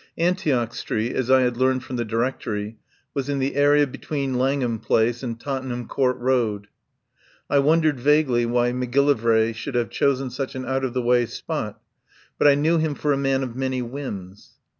Antioch Street, as I had learned from the Directory, was in the area between Langham Place and Tottenham Court Road. I wondered vaguely why Macgillivray should have chosen such an out of the way spot, but I knew him for a man of many whims.